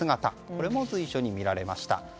これも随所に見られました。